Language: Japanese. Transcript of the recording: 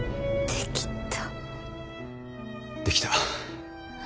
できた。